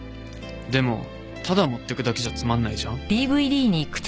でもただ持ってくだけじゃつまんないじゃん。